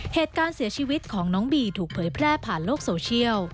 เหตุการณ์เสียชีวิตของน้องบีถูกเผยแพร่ผ่านโลกโซเชียล